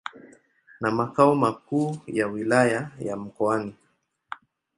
na makao makuu ya Wilaya ya Mkoani.